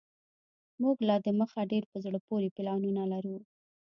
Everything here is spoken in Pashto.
موږ لا دمخه ډیر په زړه پوري پلانونه لرو